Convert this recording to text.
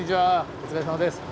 お疲れさまです。